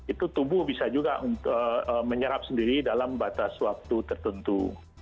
itu tubuh bisa juga menyerap sendiri dalam batas waktu tertentu